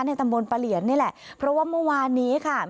ตำบลปะเหลียนนี่แหละเพราะว่าเมื่อวานนี้ค่ะ